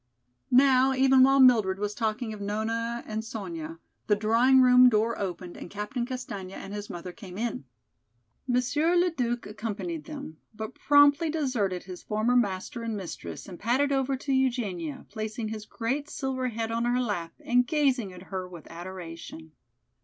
Now, even while Mildred was talking of Nona and Sonya, the drawing room door opened and Captain Castaigne and his mother came in. Monsieur Le Duc accompanied them, but promptly deserted his former master and mistress and padded over to Eugenia, placing his great silver head on her lap and gazing at her with adoration.